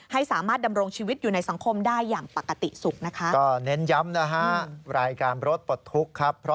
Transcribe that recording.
ให้สามารถดำรงชีวิตอยู่ในสังคมได้อย่างปกติสุขนะคะ